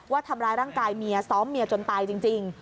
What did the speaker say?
ว่าทำร้ายร่างกายเมียซ้อมเมียจนตายจริง